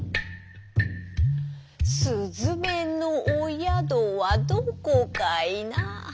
「すずめのおやどはどこかいな」